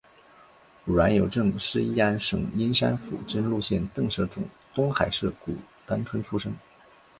阮有政是乂安省英山府真禄县邓舍总东海社古丹村出生。